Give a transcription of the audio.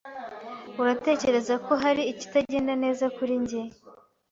Uratekereza ko hari ikitagenda neza kuri njye?